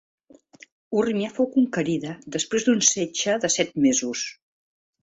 Urmia fou conquerida després d'un setge de set mesos.